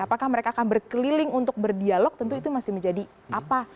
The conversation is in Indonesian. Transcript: apakah mereka akan berkeliling untuk berdialog tentu itu masih menjadi apa